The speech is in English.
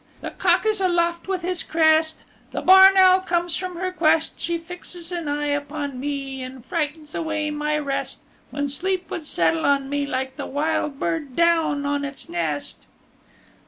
The cock is aloft with his crest: The barn owl comes from her quest She fixes an eye upon me And frightens away my rest When sleep would settle on me Like the wild bird down on its nest.